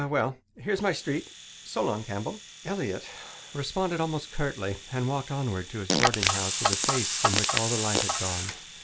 Well, here's my street. So long, Campbell." Elliott responded almost curtly and walked onward to his boarding house with a face from which all the light had gone.